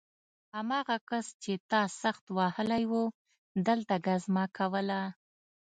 هماغه کس چې تا سخت وهلی و دلته ګزمه کوله